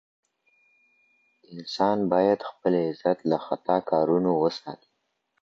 انسان بايد خپل عزت له خطا کارونو وساتي.